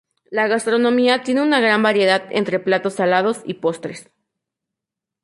La gastronomía tiene una gran variedad entre platos salados y postres.